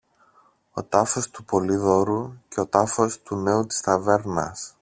ο τάφος του Πολύδωρου και ο τάφος του νέου της ταβέρνας.